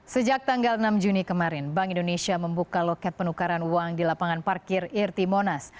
sejak tanggal enam juni kemarin bank indonesia membuka loket penukaran uang di lapangan parkir irti monas